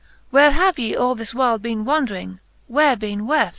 Where have ye all this while bin wandring, where bene weft